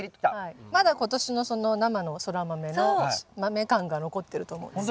まだ今年の生のソラマメのマメ感が残ってると思うんですけど。